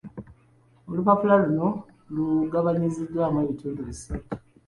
Olupapula luno lugabanyiziddwamu ebitundu bisatu.